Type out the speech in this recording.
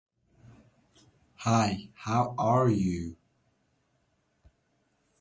Viesturs has assisted other mountaineers several times.